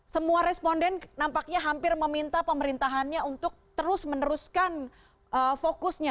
semua responden nampaknya hampir meminta pemerintahannya untuk terus meneruskan fokusnya